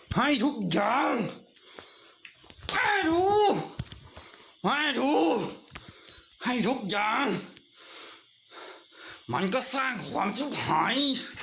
ให้ทุกอย่างแม่ดูแม่ดูให้ทุกอย่างมันก็สร้างความสุขหาย